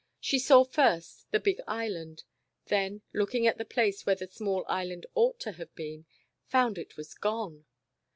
She saw first the big Island, then looking at the place where the small Island ought to have been, found it was gone